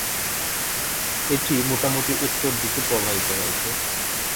এটি মোটামুটি উত্তর দিকে প্রবাহিত হয়েছে।